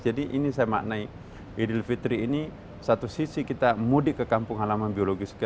jadi ini saya maknai idil fitri ini satu sisi kita mudik ke kampung halaman biologis kita